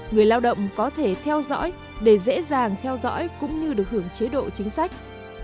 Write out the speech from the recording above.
người lao động có thể theo dõi để dễ dàng theo dõi cũng như được hưởng chế độ chính sách